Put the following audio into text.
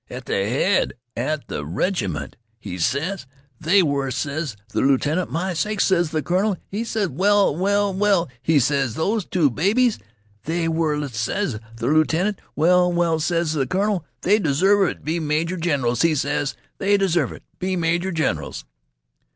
'At th' head 'a th' reg'ment?' he ses. 'They were,' ses th' lieutenant. 'My sakes!' ses th' colonel. He ses: 'Well, well, well,' he ses, 'those two babies?' 'They were,' ses th' lieutenant. 'Well, well,' ses th' colonel, 'they deserve t' be major generals,' he ses. 'They deserve t' be major generals.'"